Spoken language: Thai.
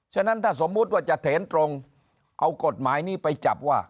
ฉะนั้นถ้าสมมุติว่าจะเถนตรงเอากฎหมายนี้ไปจับว่า